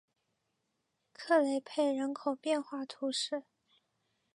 克雷佩人口变化图示